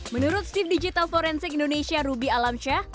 menurut chip digital forensik indonesia ruby alamsyah